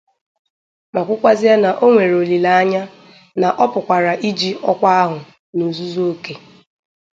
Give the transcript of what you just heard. ma kwukwazie na o nwèrè olile anya na ọ pụkwàrà iji ọkwa ahụ n'ozuzu okè